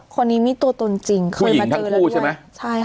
คนนี้มีตัวตนจริงเคยมาเจอแล้วด้วยผู้หญิงทั้งคู่ใช่ไหมใช่ค่ะ